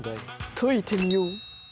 解いてみよう。